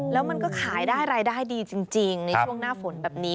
แล้วมันก็ขายได้รายได้ดีจริงในช่วงหน้าฝนแบบนี้